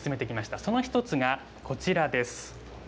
その一つがこちらです。